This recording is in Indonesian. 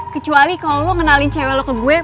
kecuali kalo lu ngenalin cewe lu ke gue